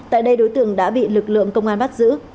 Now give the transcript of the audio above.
tại đây đối tượng đã bị lực lượng công an bắt giữ